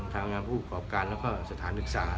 ทางงานผู้กรอบการสถานกศาสตร์